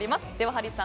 ハリーさん